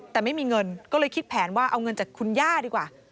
แต่ไม่มีเงินก็เลยคิดแผนว่าเอาเงินจากคุณย่าดีกว่า